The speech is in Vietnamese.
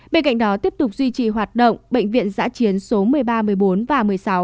bên cạnh đó tiếp tục duy trì hoạt động bệnh viện giã chiến số một mươi ba một mươi bốn và một mươi sáu